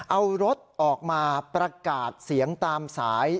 เอารถออกมาประกาศเสียงตามสาย